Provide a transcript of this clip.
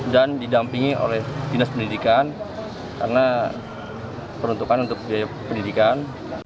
dan didampingi oleh dinas pendidikan karena peruntukan untuk biaya pendidikan